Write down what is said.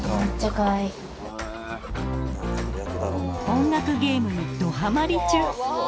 音楽ゲームにどハマり中！